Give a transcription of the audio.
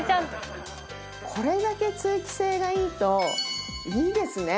これだけ通気性がいいといいですね。